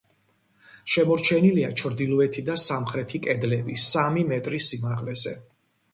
შემორჩენილია ჩრდილოეთი და სამხრეთი კედლები სამი მეტრის სიმაღლეზე.